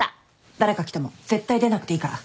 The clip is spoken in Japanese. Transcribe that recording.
誰か来ても絶対出なくていいから。